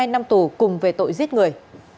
một mươi hai năm tù cùng về tội giết người